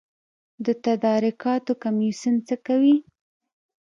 د تدارکاتو کمیسیون څه کوي؟